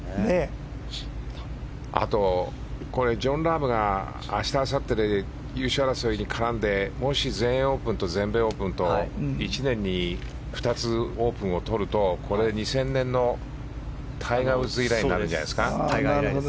あと、ジョン・ラームが明日あさって優勝争いに絡んでもし全英オープンと全米オープンと１年に２つ、オープンをとると２０００年のタイガー・ウッズ以来になるんじゃないですか。